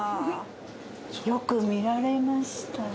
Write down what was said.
よく見られましたね。